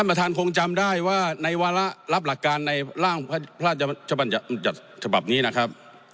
ประธานคงจำได้ว่าในวาระรับหลักการในร่างพระราชบัญญัติฉบับนี้นะครับ